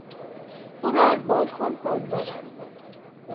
او را از بالکن هل دادند.